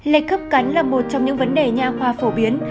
lệch khớp cắn là một trong những vấn đề nhà khoa phổ biến